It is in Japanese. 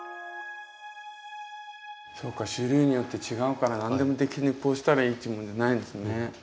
そうか種類によって違うから何でもこうしたらいいっていうもんじゃないんですね。